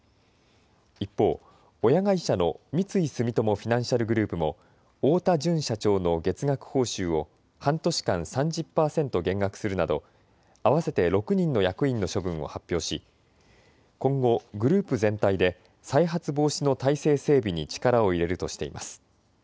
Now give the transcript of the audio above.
一方、親会社の三井住友フィナンシャルグループも太田純社長の月額報酬を半年間３０％減額するなど合わせて６人の役員の処分を発表し今後、グループ全体で再発防止の態勢整備に力を入れるとしています。